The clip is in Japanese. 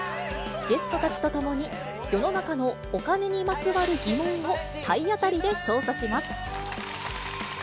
ゲストたちとともに世の中のお金にまつわる疑問を体当たりで調査します。